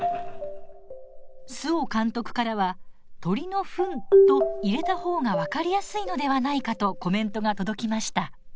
周防監督からは「鳥のふん」と入れた方が分かりやすいのではないかとコメントが届きました。